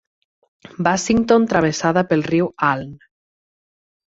Bassington travessada pel riu Aln.